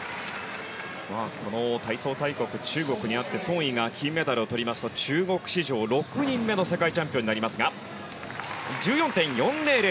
この体操大国、中国にあってソン・イが金メダルをとりますと中国史上６人目の世界チャンピオンになりますが。１４．４００。